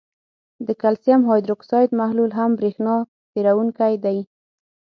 د کلسیم هایدروکساید محلول هم برېښنا تیروونکی دی.